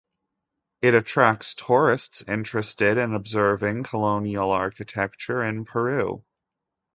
It attracts tourists interested in observing colonial architecture in Peru.